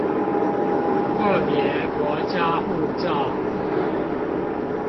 個別國家護照